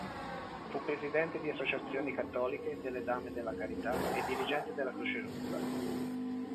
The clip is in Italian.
Fu presidente di associazioni cattoliche, delle Dame della Carità e dirigente della Croce Rossa.